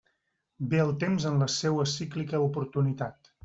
Ve el temps en la seua cíclica oportunitat.